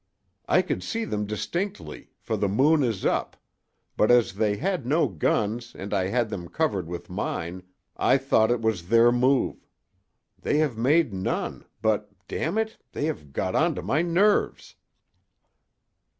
"I could see them distinctly, for the moon is up, but as they had no guns and I had them covered with mine I thought it was their move. They have made none, but, damn it! they have got on to my nerves."